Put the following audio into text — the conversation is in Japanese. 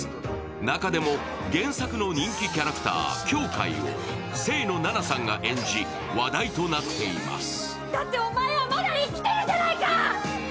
中でも原作の人気キャラクター、羌カイを清野菜名さんが演じ、話題となっています。